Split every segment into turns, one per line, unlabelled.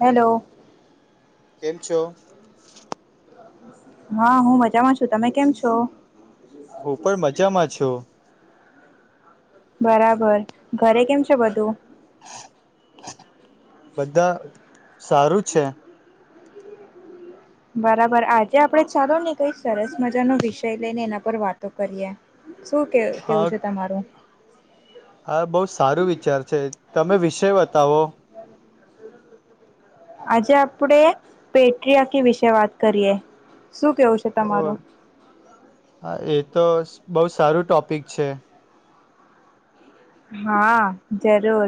Hello
કેમ છો
હા હું મજામાં છું તમે કેમ છો
હું પણ મજામાં છું
બરાબર ઘરે કેમ છે બધું
બધા સારું છે
બરાબર આજે આપડે ચાલો ને કઈ સરસ મજાનો વિષય લઈને એના પર વાતો કરીએ શું કે કેવું છે તમારું
હા બહુ સારું વિચાર છે તમે વિષય બતાવો
આજે આપડે પેટ્રિયાકી વિશે વાત કરીએ શું કેવું છે
ઓ
તમારું
હા એ તો બહુ સારું ટોપિક છે
હા જરૂર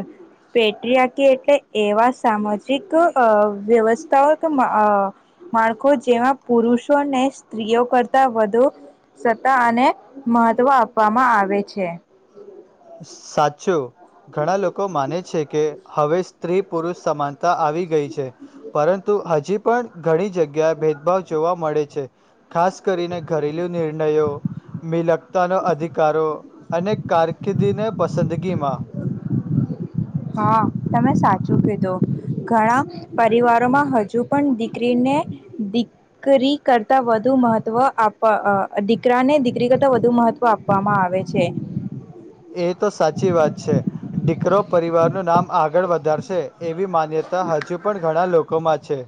પેટ્રિયાકી એટલે એવા સામાજિક વ્યવસ્થાક માળખો જેમાં પુરુષોને સ્ત્રીઓ કરતા વધુ સત્તા અને મહત્વ આપવામાં આવે છે
સાચું ઘણા લોકો માને છે કે હવે સ્ત્રી પુરુષ સમાનતા આવી ગઈ છે પરંતુ હજી પણ ઘણી જગ્યા ભેદભાવ જોવા મળે છે ખાસ કરીને ઘરેલુ નિર્ણયો મિલક તાનો અધિકારો અને કાર કીધી ને પસંદગી માં
હા તમે સાચું કીધું. ઘણા પરિવારોમાં હજુ પણ દીકરીને દીકરી કરતા વધુ મહત્વ આપવા અ, દીકરાને દીકરી કરતા વધુ મહત્વ આપવામાં આવે છે.
એ તો સાચી વાત છે. દીકરો પરિવારનું નામ આગળ વધારશે એવી માન્યતા હજુ પણ ઘણા લોકોમાં છે.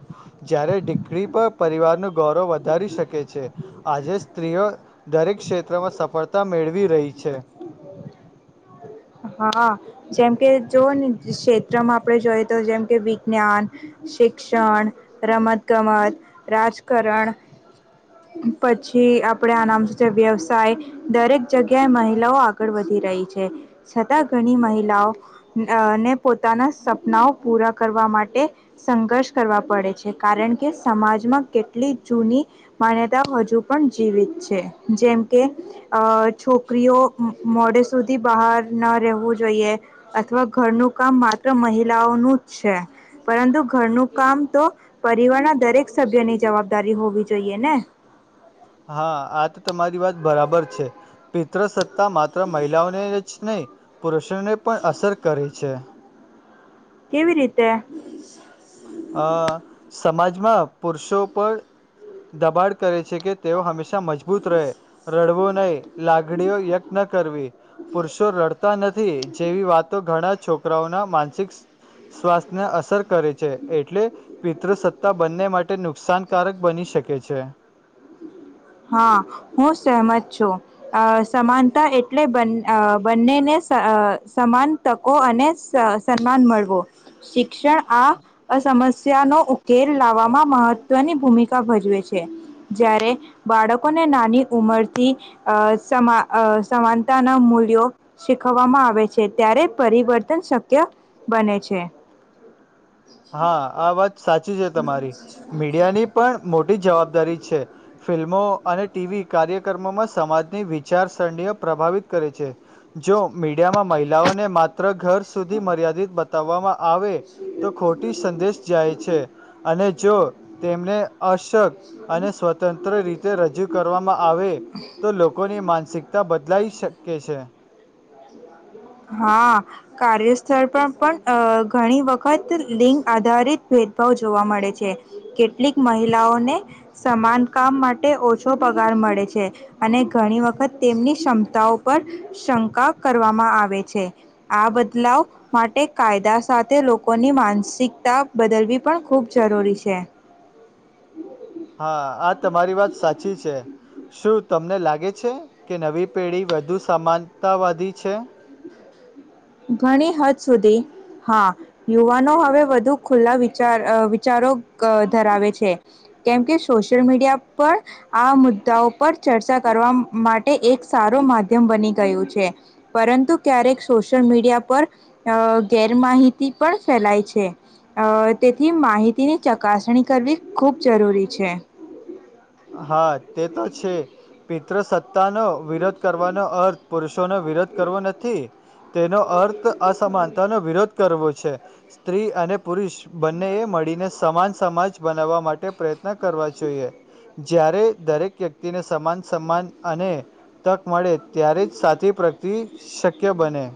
જયારે દીકરી પર પરિવારનું ગૌરવ વધ ધારી શકે છે. આજે સ્ત્રીઓ દરેક ક્ષેત્રમાં સફળતા મેળવી રહી છે.
હા. જેમ કે જોઓની ક્ષેત્રમાં આપણે જોઈએ તો જેમ કે વિજ્ઞાન, શિક્ષણ, રમત ગમત, રાજકારણ, પછી આપણેે આ નામ શુ છે, વ્યવસાય દરેક જગ્યાએ મહિલાઓ આગળ વધી રહી છે. છતાં ઘણી મહિલાઓને પોતાના સપનાઓ પૂરા કરવા માટે સંઘર્ષ કરવા પડે છે. કારણ કે સમાજમાં કેટલી જૂની માન્યતાઓ હજુ પણ જીવિત છે. જેમકે અ છોકરીઓ મો મોડે સુધી બહાર ન રહેવું જોઈએ. અથવા ઘરનું કામ માત્ર મહિલાઓનું જ છે. પરંતુ ઘરનું કામ તો પરિવાર ના દરેક સભ્યની જવાબદારી હોવી જોઈએ ને.
હા આ તો તમારી વાત બરાબર છે. પિતૃ સત્તા માત્ર મહિલાઓને જ નહી પુરુષ ને પણ અસર કરે છે.
કેવી રીતે?
અ સમાજ મા પુરુષો પણ દબાડ કરે છે કે, તેઓ હંમેશા તા મજબૂત રહે રડવોન નહી. લાગડીઓ વયક્ત ન કરવી. પુરુષો રડતા નથી જેવી વાતો ઘણા જ છોકરાઓના માનસિક સ સ્વાસ્થ્યને અસર કરે છે. એટલે પિતૃસત્તા બંને માટે નુકસાનકારક બની શકે છે.
હા હું સહેમત છું. અ સમાનતા એટલે બન અ બંનેને અ સમાન તકો અને સ સન્માન મળવો. શી ક્ષણ આ અ સમસ સમ્યા નો ઉકેલ લાવવામાં મહત્વની ભૂમિકા ભજવે છે. છે જ્યારે બાળકોને નાની ઉમરથી અ સમા અ સમાનતાના મૂલ્યો શીખવવામાં આવે છે. ત્યારે પરિવર્તન શક્ય બને છે.
હા આ વાત સાચી છે તમારી. મીડિયાની પણ મોટી જવાબદારી છે. ફિલ્મો અને ટીવી કાર્યક્રમોમાં સમાજની વિચારસરણીઓ પ્રભાવિત કરે છે. જો મીડિયામાં મહિલાઓને માત ત્ર ઘર સુધી મર્યાદિત બતાવવામાં આવે તો ખોટી સંદેશ જાય છે. અને જો તેમને અશક્ત અને સ્વતંત્ર રીતે રજૂ કરવામાં આવે, તો લોકોની માનસિકતા બદલાઈ શકે છે.
હા કાર્યસ્થળ પર પણ ઘણી વખત લિંગ આધારિત ભેદભાવ જોવા મળે છે કેટલીક મહિલાઓને સમાન કામ માટે ઓછો પગાર મળે છે અને ઘણી વખત તેમની ક્ષમતાઓ પર શંકા કરવામાં આવે છે આ બદલાવ માટે કાયદા સાથે લોકોની માનસિકતા બદલવી પણ ખૂબ જરૂરી છે
હા આ તમારી વાત સાચી છે શું તમને લાગે છે કે નવી પેઢી વધુ સમાનતાવાદી છે
ઘણી હદ સુધી હા યુવાનો હવે વધુ ખુલ્લા વિચાર વિચારો ધરાવે છે કેમ કે સોશિયલ મીડિયા પણ આ મુદ્દાઓ પર ચર્ચા કરવા માટે એક સારું માધ્યમ બની ગયું છે પરંતુ ક્યારેક સશ સોલ મીડિયા પર ગેરમાહિતી પણ ફેલાય છે તેથી માહિતીની ચકાસણી કરવી ખૂબ જરૂરી છે
હા, તે તો છે. પિત્ર સત્તાનો વિરોધ કરવાનો અર્થ પુરુષોનો વિરોધ કરવો નથી. તેનો અર્થ અસમાનતાનો વિરોધ કરવો છે. સ્ત્રી અને પુરુષ બંને એ મળીને સમાન સમાજ બનાવવા માટે પ્રયત્ન ના કરવા જોઈએ. જ્યારે દરેક વ્યક્તિને સમાન સમાન અને તક મળે ત્યારે, જ સાથી પ્રગતિ શક્ય બને.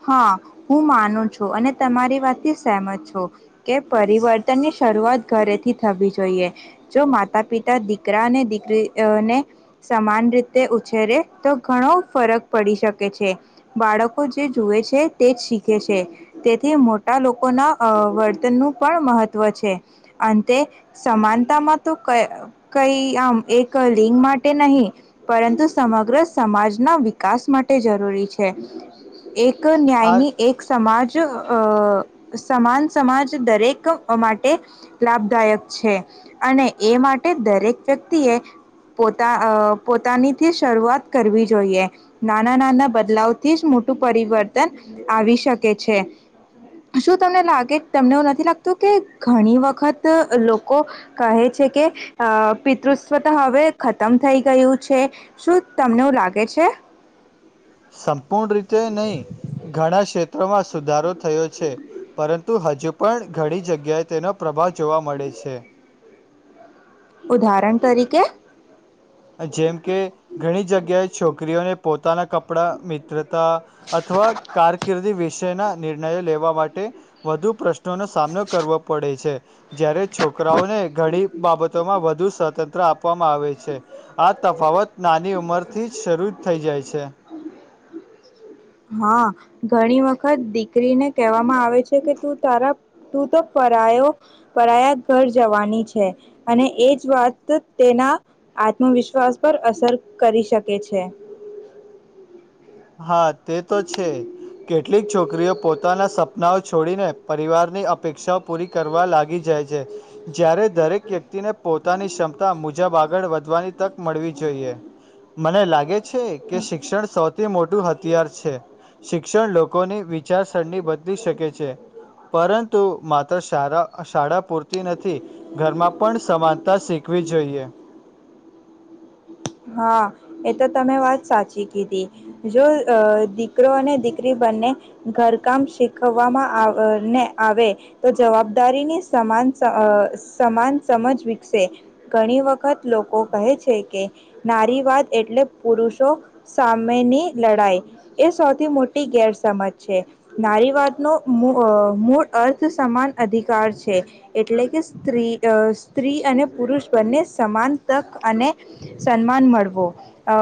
હા હું માનું છું. અને તમારી વાતથી સહમત છું, કે પરિવર્તનની શરૂઆત ઘરેથી થવી જોઈએ. જો માતા પિતા દીકરા અને દીકરીને સમાન રીતે ઉછેરે તો ઘણો ફરક પડી શકે છે. બાળકો જુએ છે તે જ શીખે છે. તેથી મોટા લોકોના વર્તનનું પણ મહત્ત્વ છે અંતે સમાનતામાં તો કઈ આમ એક લિંગ માટે નહીં, પરંતુ સમગ્ર સમાજના વિકાસ માટે જરૂરી છે. એક
આ
ન્યાયની એક સમાજ અ સમાન સમાજ દરેક માટે લાભદાયક છે. અને એ માટે દરેક વ્યક્તિએ પોતા પોતાનીથી શરૂઆત કરવી જોઈએ નાના નાના બદલાવ થી જ પરિવર્તન આવી શકે છે. શું તમને લાગે તમને એવું નથી લાગતું કે ઘણી વખત લોકો કહે છે, કે પિતૃસ્વતા હવે, ખતમ થઈ ગયું છે શું તમને એવું લાગે છે.
સં પૂણ રીતે નહી ઘણા ક્ષેત્ર માં સુધારો થયો છે. પરંતુ, હજુ પણ ઘણી જગ્યાએ તેનો પ્રભાવ જોવા મળે છે.
ઉદાહરણ તરીકે
જેમ કે ઘણી જગ્યાએ છોકરીઓને પોતાના કપડા મિત્રતા અથવા કારકિર્દી વિ છે. ના નિર્ણયો લેવા માટે વધુ પ્રશ્ન નો સામનો કરવો પડે છે. જયારે છોકરાઓને ઘણી બાબતોમાં વધુ સ્વતંત્ર આપ આપવામાં આવે છે. આ તફાવત નાની ઉંમર થી જ શરૂ જ થઈ જાય છે. છે.
હમ્મ, હા, ઘણી વખત દીકરીને કહેવામાં આવે છે. કે તું તારા તું તો પરાયો પરાયા ઘર જવાની છે. અને એજ વાત તેના આત્મવિશ્વાસ પર અસર કરી શકે છે.
હા તે તો છે. કેટલીક છોકરીઓ પોતાના સપનાઓ છોડીને પરિવારની અપેક્ષાઓ પૂરી કરવા લાગી જાય છે. જ્યારે, દરેક વ્યક્તિને પોતાની ક્ષમતા મુજબ આગળ વધવાની તક મળવી જોઈએ, મને લાગે. છે. કે શિક્ષણ સૌથી મોટું હથિયાર છે. શિક્ષણ લોકોની વિ ચારસરણી બદલી શકે છે. પરંતુ માત્ર શા શાળા પૂરતી નથી ઘરમાં પણ સમાનતા શીખવી જોઈએ.
હા એ તો તમે વાત સાચી કીધી જો દીકરો અને દીકરી બંને ઘરકામ શીખવવામાં આવને આવે, તો જવાબદારીની સમાન સમાન સમજ વિકસે ઘણી વખત લોકો કહે છે, કે નારીવાદ એટલે પુરુષો સામેની લડાઈ એ સૌથી મોટી ગેરસમજ છે. નારીવાદ ન મૂળ અર્થ સમાન અધિકાર છે. એટલે કે સ્ત્રી સ્ત્રી અને પુરુષ બંને સમાન તક અને સન્માન મળવો અ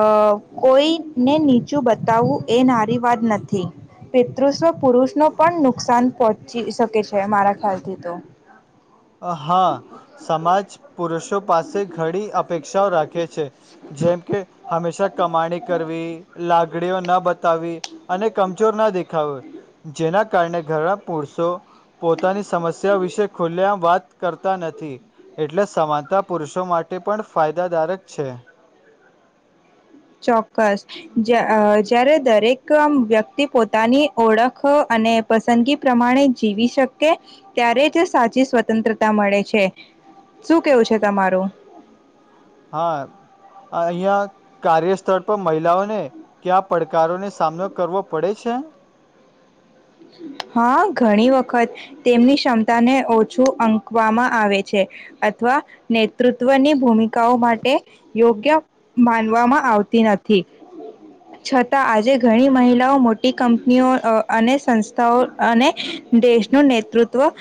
કોઈને નીચું બતાવવું, એ નારી વાત નથી પિતૃવ પુરુષ નો પણ નુકસાન પહોંચે. જી શકે છે. મારા ખ્યાલથી તો
હા, સમાજ પુરુષો પાસે ઘણી અપેક્ષાઓ રાખે છે. છે જેમ કે હંમેશા કમાણી કરવી લાગડીઓ ના બતાવી અને કમજોર ના દેખાવ જેના કારણે ઘરના પુરુષો પોતાની સમસ્યા વિશે ખુલ્યા વાત કરતા નથી એટલે સમાનતા પુરુષો માટે પણ ફાયદાકારારક છે.
ચોક્કસ જે. જ્યારે દરેક વ્યક્તિ પોતાની ઓળખ અને પસંદગી પ્રમાણે જીવી શકે ત્યારે જ સાચી સ્વતંત્રતા મળે છે શું કેવું છે તમારું.
હા અહિયાં કાર્યસ્થળ પર મહિલાઓને ક્યા પડકારોનો સામનો કરવો પડે છે.
હા ઘણી વખત તેમની ક્ષમતાને ઓછું અંકવામાં આવે છે અથવા નેતૃત્વની ભૂમિકાઓ માટે યોગ્ય માનવામાં આવતી નથી છતાં આજે ઘણી મહિલાઓ મોટી કંપનીઓ અને સં અને દેશનું નેતૃત્વ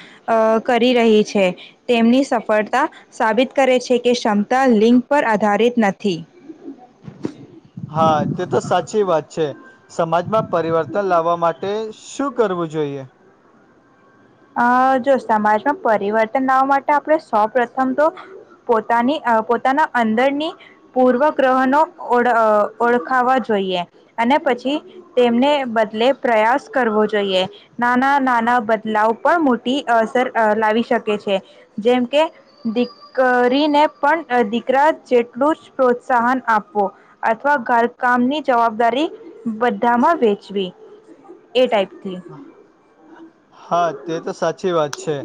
કરી રહી છે તેમની સફળતા સાબિત કરે છે કે ક્ષમતા લિંગ પર આધારિત નથી.
હા તે તો સાચી વાત છે. સમાજમાં પરિવર્તન લાવવા માટે માટે શું કરવું જોઈએ.
અ જો સમાજમાં પરિવર્તન લાવવા માટે આપણે સૌ પ્રથમ તો પોતાની પોતાના અંદરની પૂર્વગ્રહણો ઓ ઓળખાવા જોઈએ અને પછી તેમને બદલે પ્રયાસ કરવો જોઈએ નાના નાના લાવ પણ મોટી અસર લાવી શકે છે જેમ કે દીકરીને પણ દીકરા જેટલું જ પ્રોત્સાહન આપવું અથવા ઘરકામની જવાબદારી બધામાં વેચવી એ ટાઈપ [inaudible]
હા તે તો સાચી વાત છે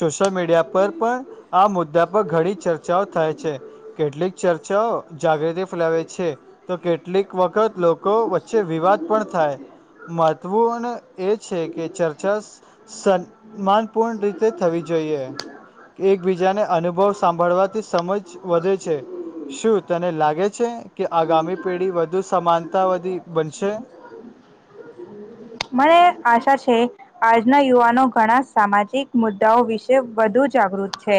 સોશિયલ મીડિયા પર પણ આ મુદ્દા પર ઘણી ચર્ચાઓ થાય છે કેટલીક ચર્ચાઓ જાગૃતિ ફેલાવે છે તો કેટલીક વખત લોકો વચ્ચે વિવાદ પણ થાય મહત્વું અને છે કે ચર્ચસ સન એકબીજાને અનુભવ સાંભળવાથી સમજ વધે છે. શું તને લાગે છે કે આગામી પેઢી વધુ સમાનતાવાદી બનશે?
મારે આશા છે આજના યુવાનો ઘણા સામાજિક મુદ્દાઓ વિશે વધુ જાગૃત છે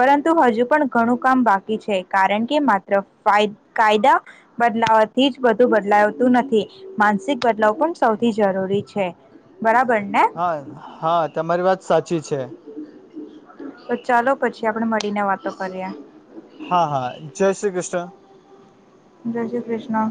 પરંતુ હજુ પણ ઘણું કામ બાકી છે કારણ કે માત્ર કાયદા બદલાવથી જ વધુ બદલાવતું નથી માનસિક બદલાવ પણ સૌથી જરૂરી છે. બરાબર ને?
હા હા તમારી વાત સાચી છે.
તો ચાલો પછી આપડણે મળીને વાતો કરીએ.
હા હા જય શ્રી કૃષ્ણ.
જય શ્રી કૃષ્ણ.